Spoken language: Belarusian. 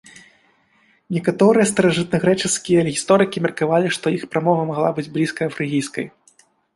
Некаторыя старажытнагрэчаскія гісторыкі меркавалі, што іх прамова магла быць блізкая фрыгійскай.